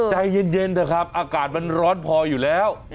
ใจเย็นเถอะครับอากาศมันร้อนพออยู่แล้ว